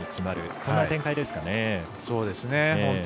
そんな展開ですかね。